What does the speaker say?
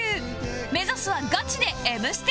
目指すはガチで『Ｍ ステ』出演